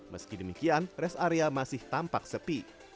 meski demikian res area masih tampak sepi